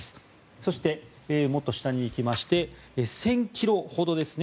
そして、もっと下に行きまして１０００ｋｍほどですね